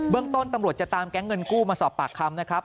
ต้นตำรวจจะตามแก๊งเงินกู้มาสอบปากคำนะครับ